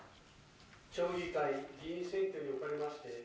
町議会議員選挙におかれまして。